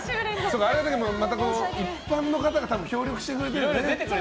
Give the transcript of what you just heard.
一般の方が協力してくれてね。